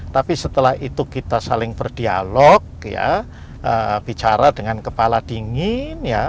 tapi setelah itu kita saling berdialog bicara dengan kepala dingin